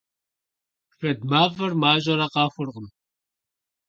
Шэд мафӀэр мащӀэрэ къэхъуркъым.